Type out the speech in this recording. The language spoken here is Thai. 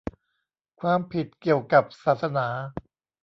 ความผิดเกี่ยวกับศาสนา